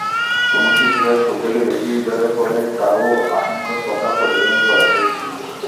কোন শিশুরা স্কুল থেকে বেশি ঝরে পড়ে তারও আশঙ্কার কথা প্রতিবেদনে বলা হয়েছে।